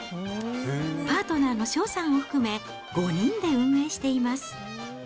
パートナーの翔さんを含め、５人で運営しています。